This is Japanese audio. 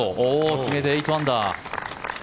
決めて、８アンダー。